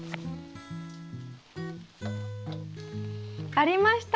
ありました。